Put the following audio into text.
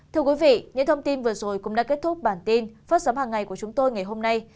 những thông tin vừa rồi cũng đã kết thúc bản tin phát sóng hàng ngày của chúng tôi ngày hôm nay